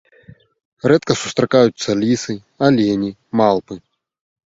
Рэдка сустракаюцца лісы, алені, малпы.